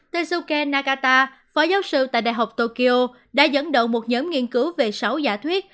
techsuken nakata phó giáo sư tại đại học tokyo đã dẫn đầu một nhóm nghiên cứu về sáu giả thuyết